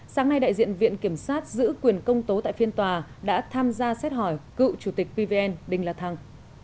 sáng nay đại diện viện kiểm sát giữ quyền công tố tại phiên tòa đã tham gia xét hỏi cựu chủ tịch pvn đinh la thăng